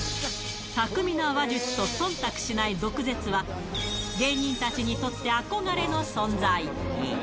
巧みな話術とそんたくしない毒舌は、芸人たちにとって憧れの存在。